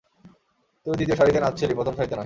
তুই দ্বিতীয় সারিতে নাচছিলি প্রথম সারিতে নয়।